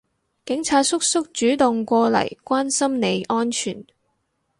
警察叔叔主動過嚟關心你安全